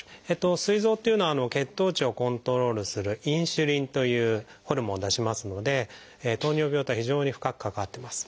すい臓っていうのは血糖値をコントロールするインスリンというホルモンを出しますので糖尿病とは非常に深く関わってます。